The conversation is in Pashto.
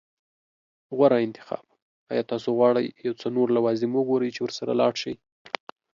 غوره انتخاب. ایا تاسو غواړئ یو څه نور لوازم وګورئ چې ورسره لاړ شئ؟